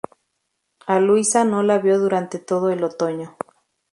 A Luisa no la vio durante todo el otoño.